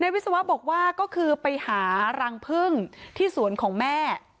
วิศวะบอกว่าก็คือไปหารังพึ่งที่สวนของแม่